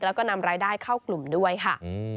แล้วก็นำรายได้เข้ากลุ่มด้วยค่ะ